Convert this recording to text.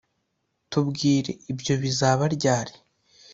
tubwire ibyo bizaba ryari ?